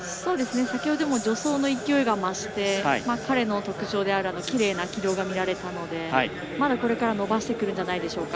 先ほどよりも助走の勢いが増して彼の特徴のきれいな軌道が見られたのでまだ、これから伸ばしてくるんじゃないでしょうか。